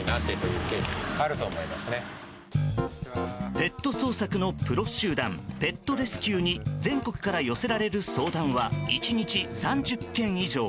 ペット捜索のプロ集団ペットレスキューに全国から寄せられる相談は１日３０件以上。